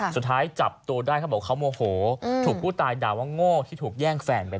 สุดท้ายจับตัวได้เขาบอกเขาโมโหถูกผู้ตายด่าว่าโง่ที่ถูกแย่งแฟนไป